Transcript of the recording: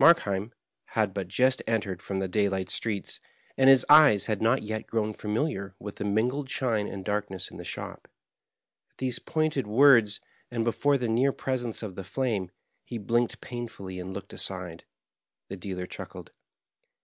Markheim had but just entered from the daylight streets, and his eyes had not yet grown familiar with the mingled shine and darkness in the shop. At these pointed words, and before the near presence of the flame, he blinked painfully and looked aside. The dealer chuckled.